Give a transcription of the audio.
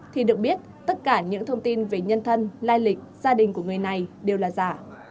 thì được biết tất cả những thông tin về nhân thân lai lịch gia đình của người này đều là giả